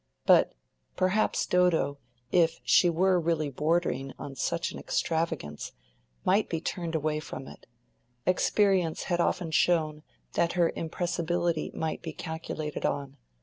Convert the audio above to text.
But perhaps Dodo, if she were really bordering on such an extravagance, might be turned away from it: experience had often shown that her impressibility might be calculated on.